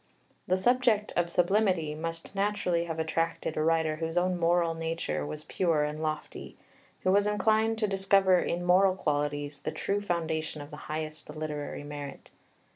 The subject of sublimity must naturally have attracted a writer whose own moral nature was pure and lofty, who was inclined to discover in moral qualities the true foundation of the highest literary merit.